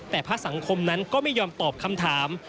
แต่พระสังคมนั้นก็ไม่ยอมตอบคำถาม